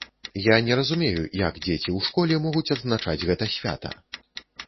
Я не разумею, як дзеці ў школе могуць адзначаць гэта свята.